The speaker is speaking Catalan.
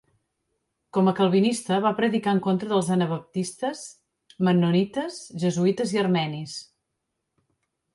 Com a Calvinista, va predicar en contra dels anabaptistes, mennonites, jesuïtes i armenis.